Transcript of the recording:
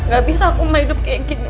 gak bisa aku mau hidup kayak gini